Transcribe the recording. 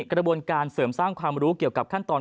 กระบวนการเสริมสร้างความรู้เกี่ยวกับขั้นตอน